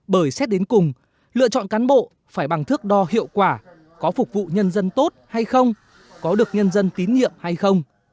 bởi xét đến cùng lựa chọn cán bộ phải bằng thước đo hiệu quả có phục vụ nhân dân tốt hay không có được nhân dân tín nhiệm hay không